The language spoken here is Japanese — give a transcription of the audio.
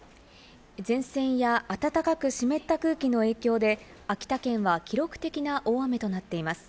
前線や暖かく湿った空気の影響で、秋田県は記録的な大雨となっています。